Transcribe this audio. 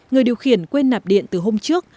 người điều khiển quên nạp điện từ hôm trước